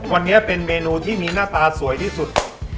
วันนี้เป็นเมนูที่มีหน้าตาสวยที่สุด